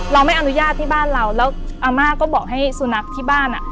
เราไม่อนุญาตที่บ้านเราแล้วอาม่าก็บอกให้สุนัขที่บ้านอ่ะ